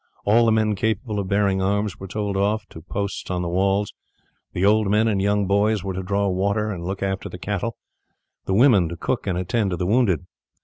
All the men capable of bearing arms were told off to posts on the walls. The old men and young boys were to draw water and look after the cattle; the women to cook and attend to the wounded.